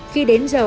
khi đến giờ